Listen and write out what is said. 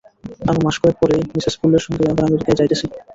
আমি মাসকয়েক পরেই মিসেস বুলের সঙ্গে আবার আমেরিকায় যাইতেছি।